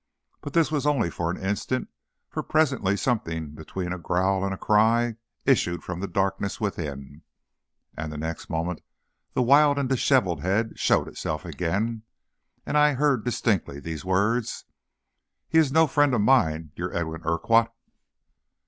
But this was only for an instant, for presently something between a growl and a cry issued from the darkness within, and the next moment the wild and disheveled head showed itself again, and I heard distinctly these words: "He is no friend of mine, your Edwin Urquhart."